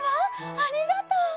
ありがとう。